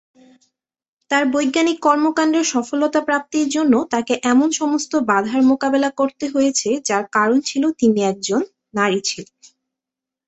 তাঁর বৈজ্ঞানিক কর্মকাণ্ডের সফলতা প্রাপ্তির জন্য তাঁকে এমন সমস্ত বাঁধার মোকাবেলা করতে হয়েছে যার কারণ ছিল তিনি একজন নারী ছিলেন।